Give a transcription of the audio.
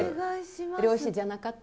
漁師じゃなかった。